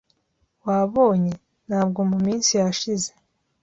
"Wabonye ?" "Ntabwo mu minsi yashize."